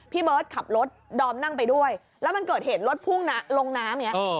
พี่เบิร์ตขับรถดอมนั่งไปด้วยแล้วมันเกิดเหตุรถพุ่งลงน้ำอย่างนี้